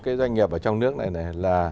cái doanh nghiệp ở trong nước này này là